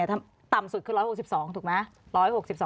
ถ้าต่ำสุดคือ๑๖๒ถูกไหม